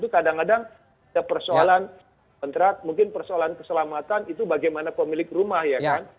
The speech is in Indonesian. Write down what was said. kadang kadang ada persoalan kontrak mungkin persoalan keselamatan itu bagaimana pemilik rumah ya kan